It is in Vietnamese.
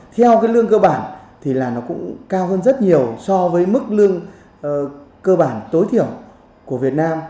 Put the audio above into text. theo cái lương cơ bản thì là nó cũng cao hơn rất nhiều so với mức lương cơ bản tối thiểu của việt nam